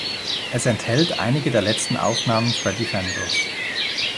Es enthält einige der letzten Aufnahmen Freddy Fenders.